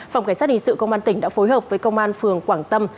phòng cảnh sát hình sự công an tỉnh đã phối hợp với công an phường quảng tâm